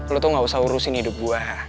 lo tuh gak usah urusin hidup gue